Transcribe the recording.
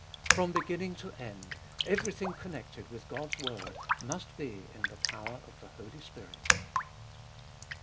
From beginning to end, everything connected with God's word must be in the power of the Holu Spirit.